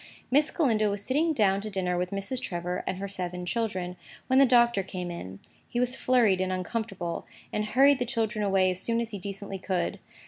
Miss Galindo was sitting down to dinner with Mrs. Trevor and her seven children, when the Doctor came in. He was flurried and uncomfortable, and hurried the children away as soon as he decently could.